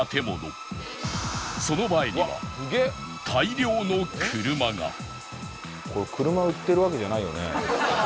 その前にはこれ車売ってるわけじゃないよね？